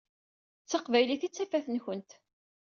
D taqbaylit i d tafat-nkent.